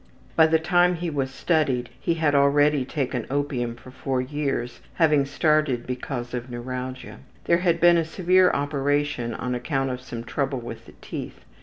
By the time he was studied he had already taken opium for four years, having started because of neuralgia. There had been a severe operation on account of some trouble with the teeth.